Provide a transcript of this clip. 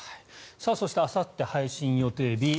そしてあさって配信予定日